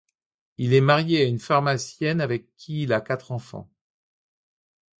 Il est marié à une pharmacienne avec qui il a quatre enfants.